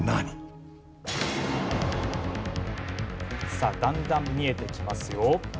さあだんだん見えてきますよ。